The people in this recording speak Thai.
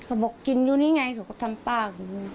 บอกกินอยู่นี่ไงเขาก็ทำปาก